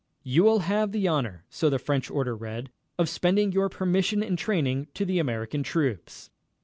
"You will have the honor," so the French order read, "of spending your permission in training the American troops."